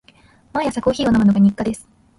毎朝コーヒーを飲むのが日課です。